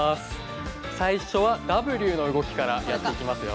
最初はＷの動きからやっていきますよ。